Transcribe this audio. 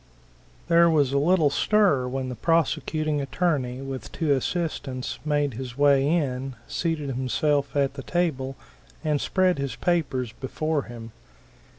There was a little stir when the Prosecuting Attorney, with two assistants, made his way in, seated himself at the table, and spread his papers before him.